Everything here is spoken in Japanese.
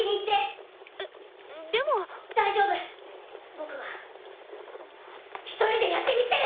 僕は一人でやってみせる！